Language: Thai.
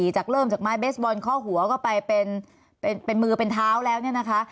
จากเริ่มจากไม้เบสบอลข้อหัวก็ไปเป็นมือเป็นเท้าแล้วเนี่ยนะคะ